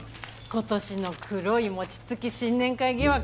今年の「黒い餅つき新年会疑惑」